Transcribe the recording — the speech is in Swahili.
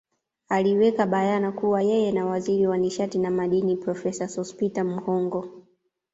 Aliweka bayana kuwa yeye na Waziri wa nishati na Madini Profesa Sospeter Muhongo